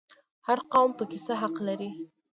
هر قوم پکې څه حق لري؟